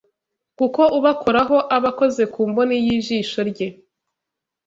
Kuko ubakoraho, aba akoze ku mboni y’ijisho rye